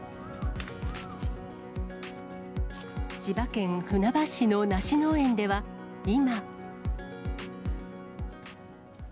千葉県船橋市の梨農園では今。